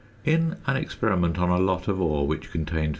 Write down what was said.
In an experiment on a lot of ore which contained 0.